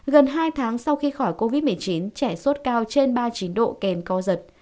gần hai tháng sau khi khỏi covid một mươi chín trẻ sốt cao trên ba mươi chín độ kèm co giật